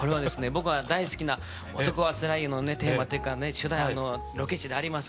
僕が大好きな「男はつらいよ」のテーマというかロケ地であります